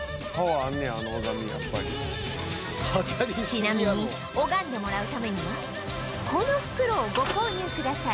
ちなみに拝んでもらうためにはこの袋をご購入ください